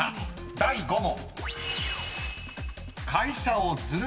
［第５問］